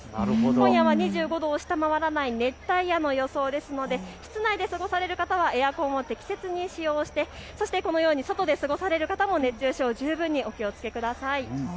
今夜は２５度を下回らない熱帯夜の予想ですので室内で過ごされる方はエアコンを適切に使用してこのように外で過ごされる方も熱中症、十分にお気をつけください。